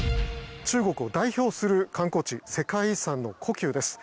中国を代表する観光地世界遺産の故宮です。